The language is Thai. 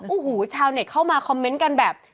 โอ้โหชาวเน็ตเข้ามาคอมเมนต์กันแบบ